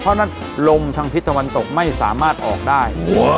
เพราะฉะนั้นลมทางทิศตะวันตกไม่สามารถออกได้